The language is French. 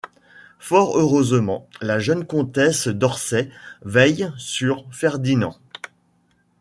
Fort heureusement la jeune comtesse Dorsay veille sur Ferdinand.